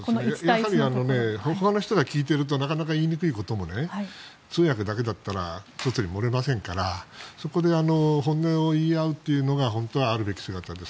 やはりほかの人が聞いているとなかなか言いにくいことも通訳だけだったら外に漏れませんからそこで本音を言い合うというのが本当はあるべき姿で。